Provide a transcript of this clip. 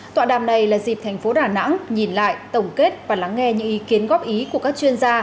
tọa đàm này là dịp thành phố đà nẵng nhìn lại tổng kết và lắng nghe những ý kiến góp ý của các chuyên gia